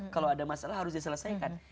kalau ada masalah harus diselesaikan